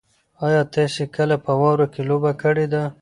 ایا تاسي کله په واوره کې لوبه کړې ده؟